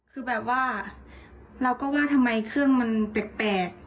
คือแบบว่าเราก็ว่าทำไมเครื่องมันแปลก